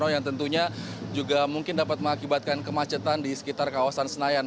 yang tentunya juga mungkin dapat mengakibatkan kemacetan di sekitar kawasan senayan